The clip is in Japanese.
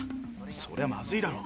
そりゃまずいだろ。